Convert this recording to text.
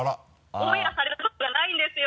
オンエアされたことがないんですよ。